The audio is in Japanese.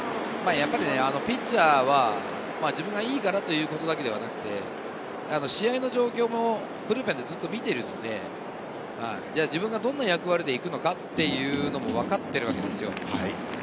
ピッチャーは自分がいいということだけではなくて、試合の状況も見ているので、自分がどんな役割で行くのかというのもわかっているわけですよ。